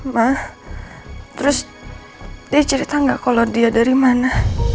ma terus dia cerita gak kalau dia dari mana